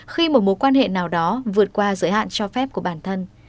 khi một mối quan hệ nào đó vượt qua giới hạn cho phép của bản thân